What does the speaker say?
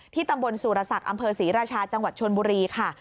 ตำบลสุรศักดิ์อำเภอศรีราชาจังหวัดชนบุรีค่ะ